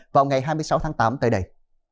vào ngày hai mươi sáu tháng tám tới đây